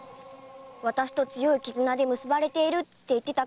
私と「強い絆で結ばれている」って言ってたけど。